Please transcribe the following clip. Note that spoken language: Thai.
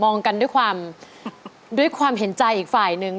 มองกันด้วยความเห็นใจอีกฝ่ายหนึ่ง